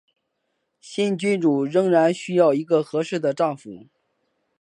新君主仍然需要一个合适的丈夫。